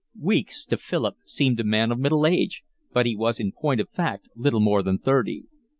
Weeks to Philip seemed a man of middle age, but he was in point of fact little more than thirty.